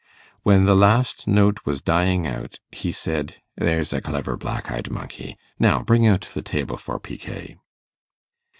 When the last note was dying out he said 'There's a clever black eyed monkey. Now bring out the table for picquet.